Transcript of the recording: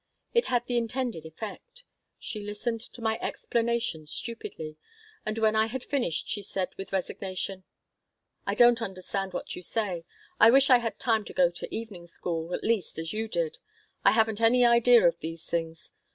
It had the intended effect. She listened to my explanation stupidly, and when I had finished she said, with resignation: "I don't understand what you say. I wish I had time to go to evening school, at least, as you did. I haven't any idea of these things.